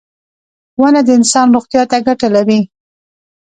• ونه د انسان روغتیا ته ګټه لري.